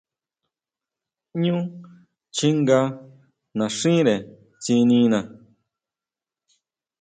Ñú chjinga naxíre tsinina.